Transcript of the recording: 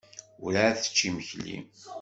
Werɛad tečči imekli.